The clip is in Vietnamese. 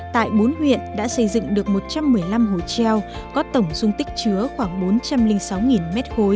tại bốn huyện đã xây dựng được một trăm một mươi năm hồ treo có tổng dung tích chứa khoảng bốn trăm linh sáu m ba